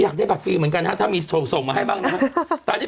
อยากได้บัตรฟรีเหมือนกันฮะถ้ามีส่งมาให้บ้างนะฮะตอนนี้